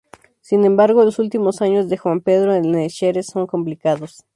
Sin embargo, los últimos años de Juan Pedro en el Xerez son complicados.